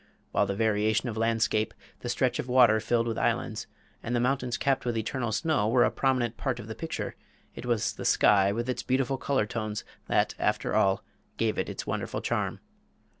While the variation of landscape, the stretch of water filled with islands, and the mountains capped with eternal snow were a prominent part of the picture, it was the sky with its beautiful color tones that after all gave it its wonderful charm.